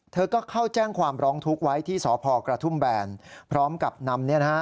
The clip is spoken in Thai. เธอก็เข้าแจ้งความร้องทุกข์ไว้ที่สพกระทุ่มแบนพร้อมกับนำ